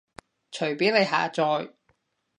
隨便你下載